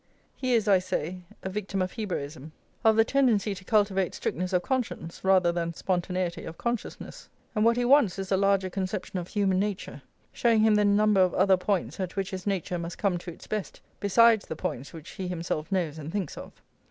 He is, I say, a victim of Hebraism, of the tendency to cultivate strictness of conscience rather than spontaneity of consciousness. And what he wants is a larger conception of human nature, showing him the number of other points at which his nature must come to its best, besides the points which he himself knows and thinks of.